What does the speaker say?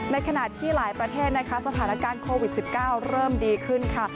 ในขณะที่หลายประเทศนะคะสถานการณ์โควิด๑๙เริ่มดีขึ้นค่ะ